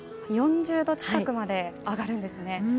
４０度近くまで上がるんですね。